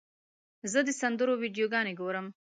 زه د سندرو ویډیوګانې ګورم.